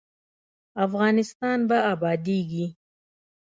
افغانستان به ابادیږي